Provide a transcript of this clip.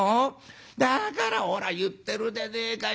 だからほら言ってるでねえかよ。